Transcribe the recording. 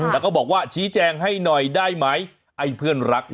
แล้วก็บอกว่าชี้แจงให้หน่อยได้ไหมไอ้เพื่อนรัก